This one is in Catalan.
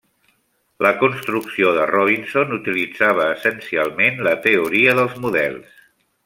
La construcció de Robinson utilitzava essencialment la teoria dels models.